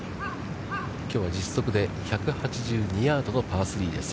きょうは実測で１８２ヤードのパー３です。